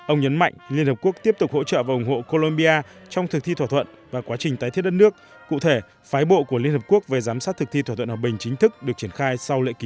ông nhấn mạnh liên hợp quốc tiếp tục hỗ trợ và ủng hộ colombia trong thực thi thỏa thuận và quá trình tái thiết đất nước cụ thể phái bộ của liên hợp quốc về giám sát thực thi thỏa thuận hòa bình chính thức được triển khai sau lễ ký